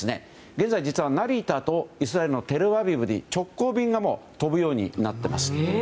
現在、実は成田とイスラエルのテルアビブに直行便が飛ぶようになっています。